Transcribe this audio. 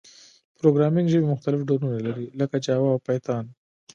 پروګرامینګ ژبي مختلف ډولونه لري، لکه جاوا او پایتون.